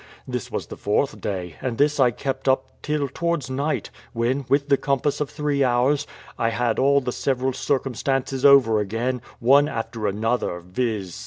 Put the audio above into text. This was the fourth day; and this I kept up till towards night, when, within the compass of three hours, I had all the several circumstances over again, one after another, viz.